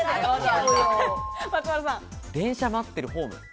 電車待ってるホーム。